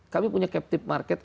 kami punya captive market